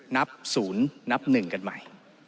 นับศูนย์นับหนึ่งกันใหม่